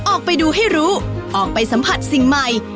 ออกไปดูให้รู้ออกไปสัมผัสสิ่งใหม่